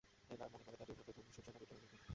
এলার মনে পড়ে তার জীবনের প্রথম সূচনা বিদ্রোহের মধ্যে।